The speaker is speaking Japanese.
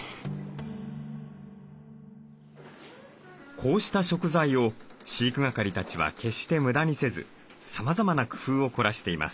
こうした食材を飼育係たちは決して無駄にせずさまざまな工夫を凝らしています。